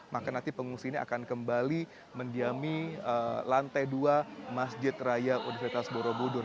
maka nanti pengungsi ini akan kembali mendiami lantai dua masjid raya universitas borobudur